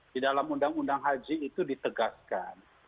di dalam undang undang haji itu ditegaskan